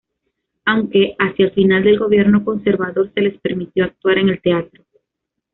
Aunque hacia el final del gobierno conservador se les permitió actuar en el teatro.